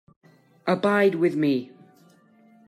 Abide with me.